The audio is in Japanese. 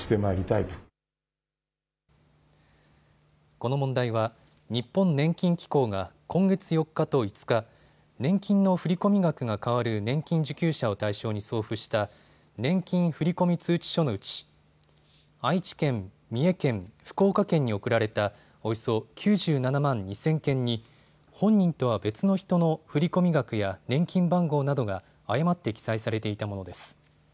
この問題は日本年金機構が今月４日と５日、年金の振込額が変わる年金受給者を対象に送付した年金振込通知書のうち愛知県、三重県、福岡県に送られたおよそ９７万２０００件に本人とは別の人の振込額や年金番号などが誤って記載されていたものです。